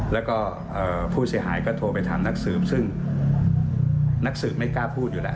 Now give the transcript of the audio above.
แล้วก็ผู้เสียหายก็โทรไปถามนักสืบซึ่งนักสืบไม่กล้าพูดอยู่แล้ว